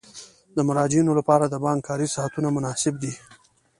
د مراجعینو لپاره د بانک کاري ساعتونه مناسب دي.